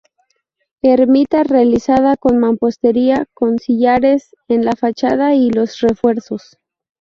Ermita realizada con mampostería, con sillares en la fachada y los refuerzos.